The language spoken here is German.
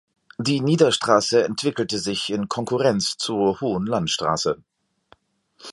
Die Niederstraße entwickelte sich in Konkurrenz zur Hohen Landstraße.